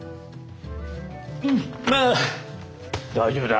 うんまあ大丈夫だ。